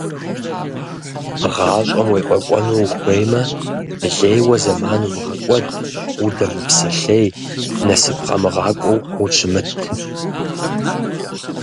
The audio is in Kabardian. Гъащӏэм уефӏэкӏуэну ухуеймэ, лейуэ зэман умыгъэкӏуэд, удэмыпсэлъей, насып къэмыгъакӏуэу ущымыт.